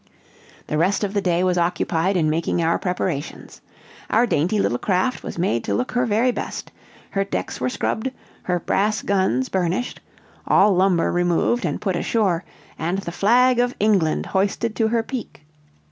The rest of the day was occupied in making our preparations. Our dainty little craft was made to look her very best; her decks were scrubbed, her brass guns burnished, all lumber removed and put ashore, and the flag of England hoisted to her peak.